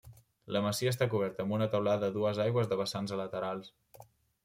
La masia està coberta amb una teulada a dues aigües de vessants a laterals.